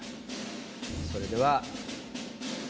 それでは。